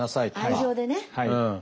愛情でね。